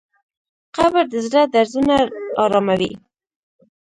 قبر د زړه درزونه اراموي.